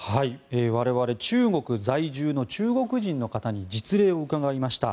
我々中国在住の中国人の方に実例を伺いました。